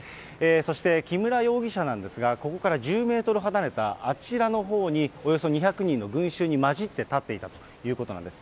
そして木村容疑者なんですが、ここから１０メートルほど離れたあちらのほうに、およそ２００人の群衆に混じって立っていたということなんです。